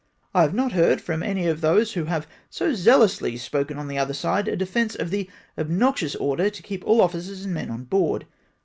I have not heard from any of those who have so zealously spoken on the other side, a defence of the obnoxious order to keep all officers and men on board.